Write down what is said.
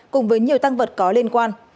cùng với nhiều tăng vật có liên quan